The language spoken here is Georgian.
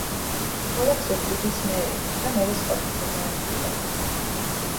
ქალაქ ზუგდიდის მერი და მერის ყოფილი მოადგილე.